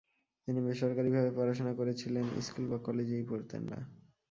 তিনি বেসরকারীভাবে পড়াশোনা করেছিলেন, স্কুল বা কলেজেই পড়তেন না।